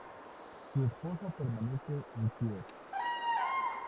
Su esposa permanece en Kiev.